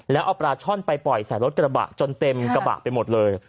แล้วเอาปลาช่อนไปปล่อยใส่รถกระบะจนเต็มกระบะไปหมดเลย